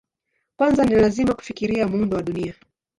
Kwanza ni lazima kufikiria muundo wa Dunia.